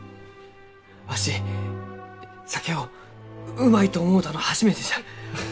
わし酒をうまいと思うたの初めてじゃ！